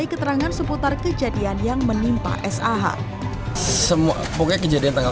keterangan seputar kejadian yang menimpa sah semua pokoknya kejadian tanggal